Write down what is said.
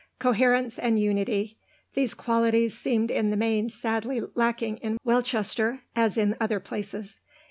Coherence and unity; these qualities seemed in the main sadly lacking in Welchester, as in other places.